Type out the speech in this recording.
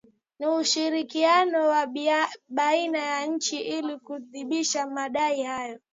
Na ushirikiano wa baina ya nchi ili kuthibitisha madai hayo